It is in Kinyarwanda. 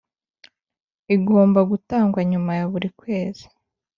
igomba gutangwa nyuma ya buri kwezi